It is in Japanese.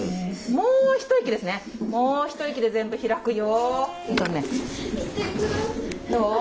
もう一息で全部開くよ。